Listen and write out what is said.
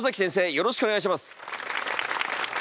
よろしくお願いします。